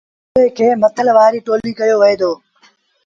هڪڙيٚ کي مٿل وآريٚ ٽوليٚ ڪهيو وهي دو۔